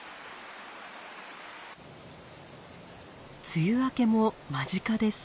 梅雨明けも間近です。